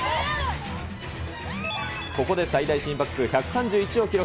ここで最大心拍数１３１を記録。